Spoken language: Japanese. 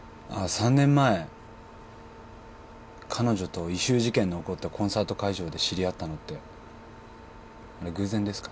３年前彼女と異臭事件の起こったコンサート会場で知り合ったのってあれ偶然ですか？